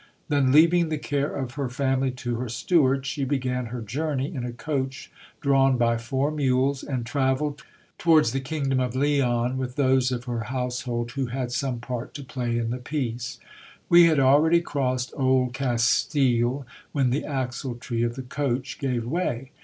Then, leaving the care of her family to her steward, she began her journey in a coach drawn by four mules, and travelled towards the kingdom of Leon, with those of her household who had some part to play in the pieces We had already crossed Old Castille, when the axletree of the coach gave way.